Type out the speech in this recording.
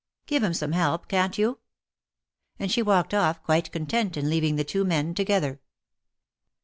Give him some help, can't you?" And she walked off quite content in leaving the two men together.